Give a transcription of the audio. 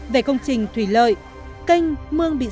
về công trình thủy lợi kênh mương bị sạt